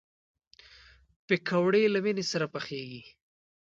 پکورې له مینې سره پخېږي